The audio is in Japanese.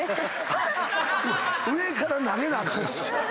上から投げなあかんし。